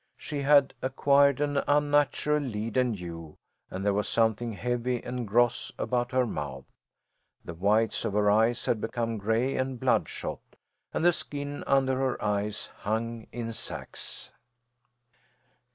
She had acquired an unnatural leaden hue and there was something heavy and gross about her mouth. The whites of her eyes had become gray and bloodshot, and the skin under her eyes hung in sacks.